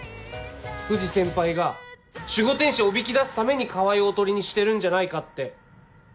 藤先輩が守護天使をおびき出すために川合をおとりにしてるんじゃないかって。